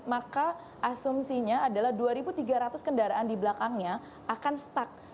maka asumsinya adalah dua tiga ratus kendaraan di belakangnya akan stuck